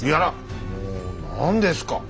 もう何ですか！